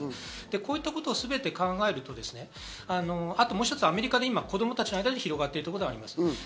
こういったことを全て考えると、もう一つ、アメリカで子供たちの間で広がってるということがあります。